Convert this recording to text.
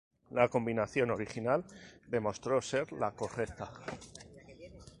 La combinación original demostró ser la correcta.